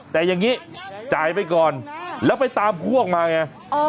แต่อย่างนี้จ่ายไปก่อนแล้วไปตามพวกมาไง